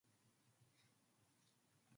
The song was originally written by Junior Murvin.